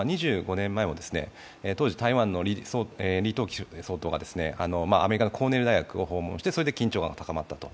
２５年前も当時、李登輝総統がアメリカのコーネル大学を訪問して、緊張が高まったと。